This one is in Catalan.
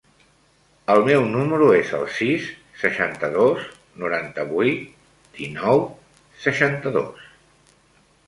El meu número es el sis, seixanta-dos, noranta-vuit, dinou, seixanta-dos.